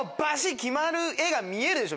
決まる画が見えるでしょ